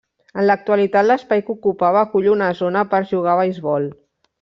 En l'actualitat l'espai que ocupava acull una zona per jugar a beisbol.